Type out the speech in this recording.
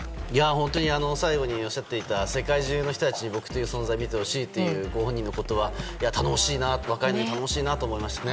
本当に最後におっしゃっていた世界中の人たちに僕という存在を見てほしいというご本人の言葉若いのに頼もしいなと思いましたね。